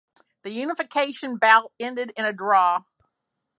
The unification bout ended in a draw.